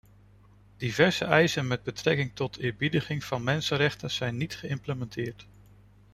Diverse eisen met betrekking tot eerbiediging van mensenrechten zijn niet geïmplementeerd.